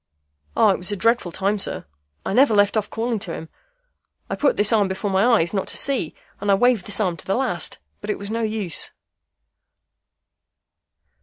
"Ah! it was a dreadful time, sir. I never left off calling to him. I put this arm before my eyes not to see, and I waved this arm to the last; but it was no use."